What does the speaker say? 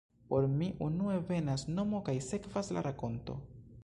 Por mi unue venas nomo kaj sekvas la rakonto.